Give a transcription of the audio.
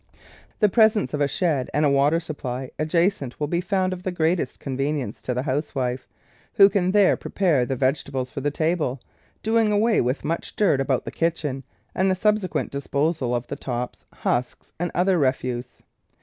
The presence of a shed and a water sujiply ad THE LOCATION OF THE GARDEN jacent will be found of the greatest convenience to the housewife, who can there prepare the vege tables for the table, doing away with much dirt about the kitchen and the subsequent disposal of the tops, husks, and other refuse.